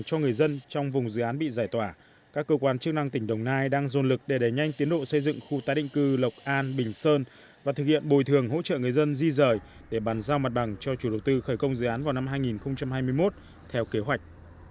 các cơ quan chức năng tỉnh đồng nai đang dồn lực để đẩy nhanh tiến độ xây dựng khu tái định cư lộc an bình sơn và thực hiện bồi thường hỗ trợ người dân di rời để bàn giao mặt bằng cho chủ đầu tư khởi công dự án vào năm hai nghìn hai mươi một theo kế hoạch